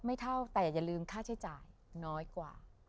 ไม่เท่าแต่อย่าลืมค่าใช้จ่ายน้อยกว่า